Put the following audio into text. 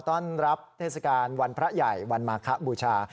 ต้อนรับเทศกาลวันพระใหญ่วันมาคบูชา